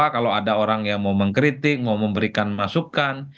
kalau ada orang yang mau mengkritik mau memberikan masukan